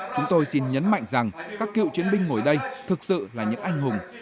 chúng tôi xin nhấn mạnh rằng các cựu chiến binh ngồi đây thực sự là những anh hùng